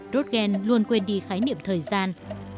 rothgen luôn quên đi khái niệm thời gian